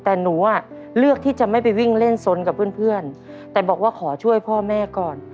แต่หนูอ่ะเลือกที่จะไม่ไปวิ่งเล่นสนกับเพื่อนแต่บอกว่าขอช่วยพ่อแม่ก่อน